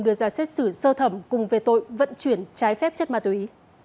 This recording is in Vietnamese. đưa ra xét xử sơ thẩm cùng về tội vận chuyển trái phép chất ma túy